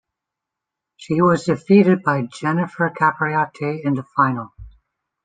She was defeated by Jennifer Capriati in the final.